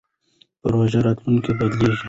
پروژه راتلونکی بدلوي.